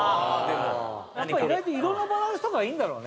やっぱり意外と色のバランスとかいいんだろうね